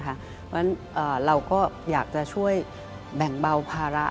เพราะฉะนั้นเราก็อยากจะช่วยแบ่งเบาภาระ